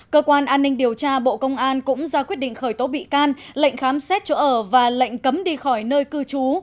cơ quan an ninh điều tra bộ công an cũng ra quyết định khởi tố bị can lệnh khám xét chỗ ở và lệnh cấm đi khỏi nơi cư trú